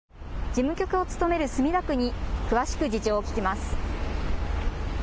事務局を務める墨田区に詳しく事情を聞きます。